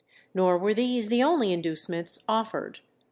Nor were these the only inducements offered.